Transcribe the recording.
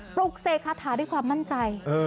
ปลุกเสกคาถาด้วยความมั่นใจ